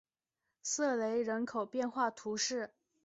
瑟雷人口变化图示